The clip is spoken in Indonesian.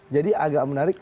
jadi agak menarik